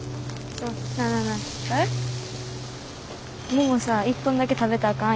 ももさ１本だけ食べたらあかん？